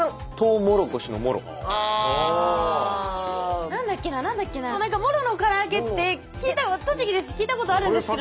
「モロのから揚げ」って栃木ですし聞いたことあるんですけど。